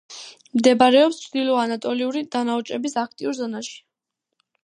მდებარეობს ჩრდილო ანატოლიური დანაოჭების აქტიურ ზონაში.